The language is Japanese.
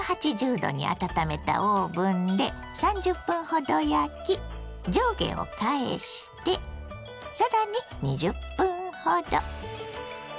℃に温めたオーブンで３０分ほど焼き上下を返してさらに２０分ほど。